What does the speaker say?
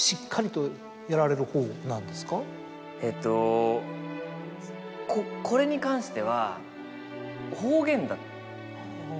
えっとこれに関しては。